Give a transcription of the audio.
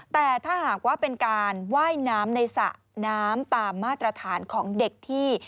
แต่ถ้าหากว่าเป็นการว่ายน้ำในสระน้ำตามมาตรฐานของเด็กที่